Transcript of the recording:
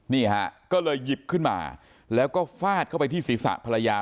นี่ฮะก็เลยหยิบขึ้นมาแล้วก็ฟาดเข้าไปที่ศีรษะภรรยา